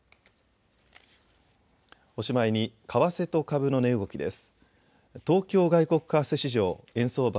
おしまいに為替と株の値動きです。